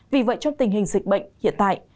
vì vậy trong tình hình dịch bệnh hiện tại